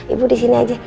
ibu disini aja